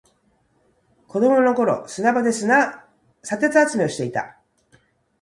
子供の頃、砂場で砂鉄集めをしていた。